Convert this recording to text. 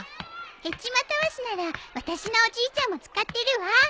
ヘチマたわしなら私のおじいちゃんも使ってるわ。